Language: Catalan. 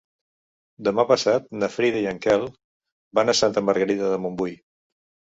Demà passat na Frida i en Quel van a Santa Margarida de Montbui.